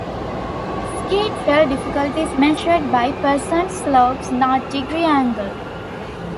Ski trail difficulty is measured by percent slope, not degree angle.